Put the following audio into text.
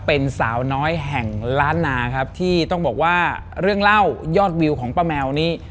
เป็นสาวน้อยแห่งล้านนาครับที่ต้องบอกว่าเรื่องเล่ายอดวิวของป้าแมวนี้